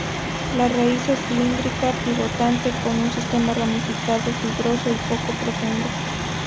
La raíz es cilíndrica, pivotante, con un sistema ramificado fibroso y poco profundo.